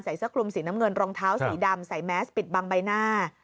เสื้อคลุมสีน้ำเงินรองเท้าสีดำใส่แมสปิดบังใบหน้า